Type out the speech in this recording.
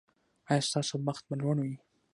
ایا ستاسو بخت به لوړ وي؟